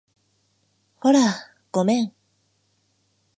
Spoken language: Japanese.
ほら、ごめん